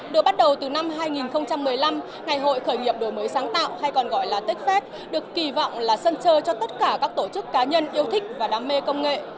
được bắt đầu từ năm hai nghìn một mươi năm ngày hội khởi nghiệp đổi mới sáng tạo hay còn gọi là techfest được kỳ vọng là sân chơi cho tất cả các tổ chức cá nhân yêu thích và đam mê công nghệ